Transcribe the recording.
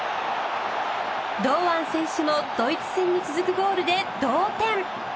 堂安選手のドイツ戦に続くゴールで同点。